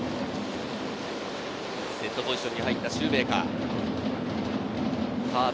セットポジションに入ったシューメーカー。